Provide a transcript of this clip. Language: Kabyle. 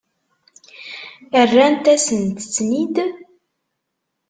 Rrant-asen-ten-id?